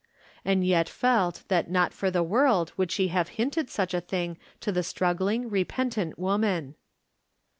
And yet felt that not for the world would' she have hinted such a tiling to the struggling, repentant woman.